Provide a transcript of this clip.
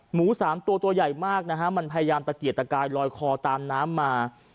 หมูสามตัวตัวใหญ่มากนะฮะมันพยายามตะเกียดตะกายลอยคอตามน้ำมา